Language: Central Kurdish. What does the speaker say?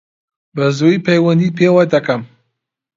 بەزوویی پەیوەندیت پێوە دەکەم.